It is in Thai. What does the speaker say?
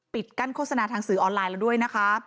กั้นโฆษณาทางสื่อออนไลน์แล้วด้วยนะคะ